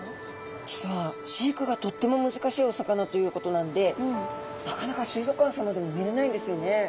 実は飼育がとっても難しいお魚ということなんでなかなか水族館さまでも見れないんですよね。